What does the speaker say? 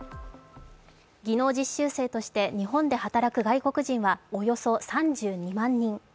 技能実習生として日本で働く外国人はおよそ３２万人。